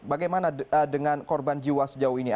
bagaimana dengan korban jiwa sejauh ini